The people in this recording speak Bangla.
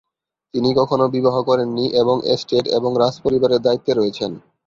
তিনি কখনও বিবাহ করেন নি এবং এস্টেট এবং রাজপরিবারের দায়িত্বে রয়েছেন।